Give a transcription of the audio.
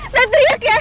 saya teriak ya